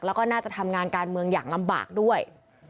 แล้วก็น่าจะทำงานการเมืองอย่างลำบากด้วย